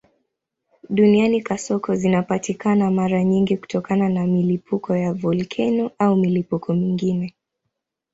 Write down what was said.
Duniani kasoko zinapatikana mara nyingi kutokana na milipuko ya volkeno au milipuko mingine.